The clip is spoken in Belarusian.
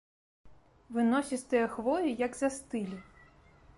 Выносістыя хвоі як застылі.